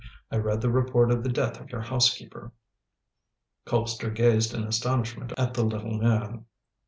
I read the report of the death of your housekeeper." Colpster gazed in astonishment at the little man.